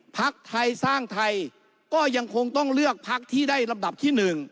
พักไทยสร้างไทยก็ยังคงต้องเลือกพักที่ได้ลำดับที่๑